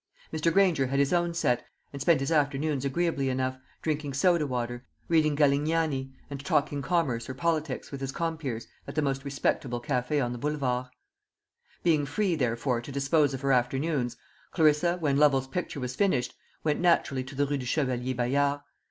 Mr. Granger had his own set, and spent his afternoons agreeably enough, drinking soda water, reading Galignani, and talking commerce or politics with his compeers at the most respectable café on the Boulevards. Being free therefore to dispose of her afternoons, Clarissa, when Lovel's picture was finished, went naturally to the Rue du Chevalier Bayard.